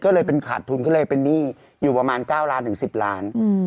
ก็เลยเป็นขาดทุนก็เลยเป็นหนี้อยู่ประมาณ๙ล้านถึง๑๐ล้าน